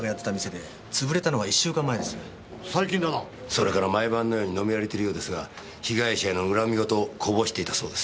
それから毎晩のように飲み歩いてるようですが被害者への恨み言をこぼしていたそうです。